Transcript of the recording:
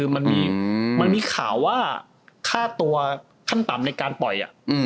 มันมีข่าวว่าค่าตัวขั้นต่ำในการปล่อย